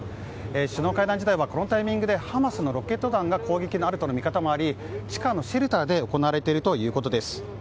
首脳会談自体はこのタイミングでハマスのロケット弾が攻撃にあるとの見方もあり地下のシェルターで行われているということです。